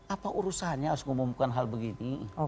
apa urusannya harus mengumumkan hal begini